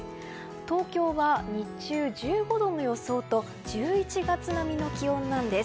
東京は日中１５度の予想と１１月並みの気温なんです。